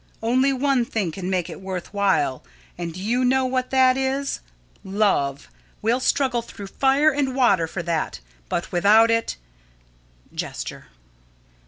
Only one thing can make it worth while, and do you know what that is? Love. We'll struggle through fire and water for that; but without it [_Gesture.